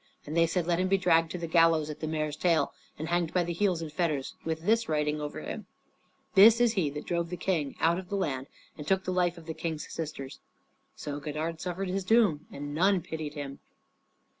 And they said, "Let him be dragged to the gallows at the mare's tail, and hanged by the heels in fetters, with this writing over him: 'This is he that drove the King out of the land, and took the life of the King's sisters.'" So Godard suffered his doom, and none pitied him.